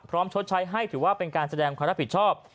ชดใช้ให้ถือว่าเป็นการแสดงความรับผิดชอบ